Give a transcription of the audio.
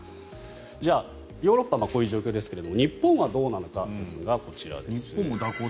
じゃあヨーロッパはこういう状況ですが日本はどうなのかですがこちらです。